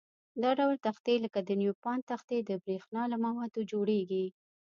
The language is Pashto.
دا ډول تختې لکه د نیوپان تختې د برېښنا له موادو جوړيږي.